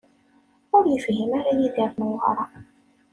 Ur yefhim ara Yidir Newwara.